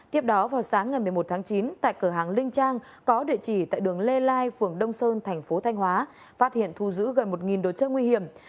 tiếp đó vào sáng ngày một mươi một tháng chín tại cửa hàng linh trang có địa chỉ tại đường lê lai phường đông sơn thành phố thanh hóa phát hiện thu giữ gần một đồ chơi nguy hiểm